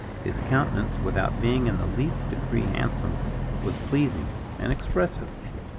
His countenance, without being in the least degree handsome, was pleasing and expressive.